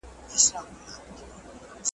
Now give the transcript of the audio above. د سرطان درملنه به اسانه سي؟